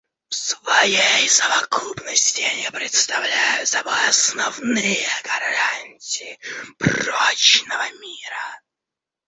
В своей совокупности они представляют собой основные гарантии прочного мира.